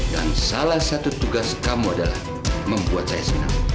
dan salah satu tugas kamu adalah membuat saya senang